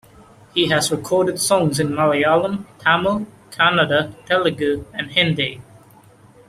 He has recorded songs in Malayalam, Tamil, Kannada, Telugu and Hindi.